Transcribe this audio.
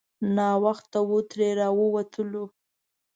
ناوخته وو ترې راووتلو.